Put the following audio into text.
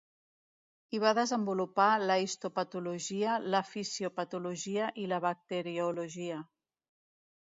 Hi va desenvolupar la histopatologia, la fisiopatologia i la bacteriologia.